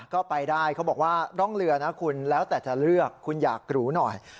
ก็ไปได้เขาบอกว่าร่องเรือนะคุณแล้วแต่จะเลือกคุณอยากหรูหน่อย